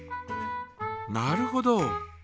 なるほど。